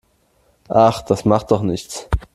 Ach, das macht doch nichts.